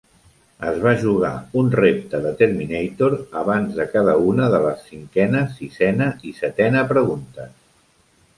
Es va jugar un repte de Terminator abans de cada una de les cinquena, sisena i setena preguntes.